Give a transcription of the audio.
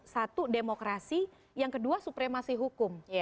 satu demokrasi yang kedua supremasi hukum